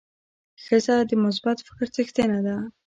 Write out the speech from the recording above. ښځه د مثبت فکر څښتنه ده.